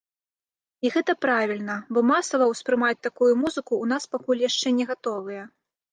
І гэта правільна, бо масава ўспрымаць такую музыку ў нас пакуль яшчэ не гатовыя.